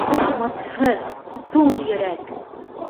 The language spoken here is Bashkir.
Намыҫһыҙ, туң йөрәк!